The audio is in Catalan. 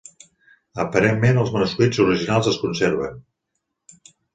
Aparentment els manuscrits originals es conserven: